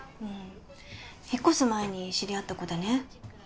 うん引っ越す前に知り合った子でね